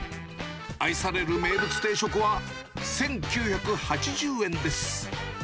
愛される名物定食は１９８０円です。